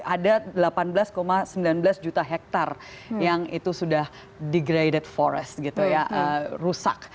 ada delapan belas sembilan belas juta hektare yang itu sudah degraded forest gitu ya rusak